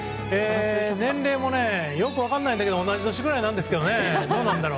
年齢もよく分からないんだけど同い年くらいなんですよねどうなんだろう？